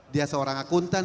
dia seorang akuntan